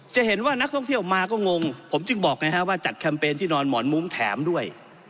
จะเห็นว่านักท่องเที่ยวมาก็งงผมจึงบอกไงฮะว่าจัดแคมเปญที่นอนหมอนมุ้งแถมด้วย